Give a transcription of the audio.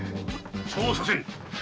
・そうはさせん！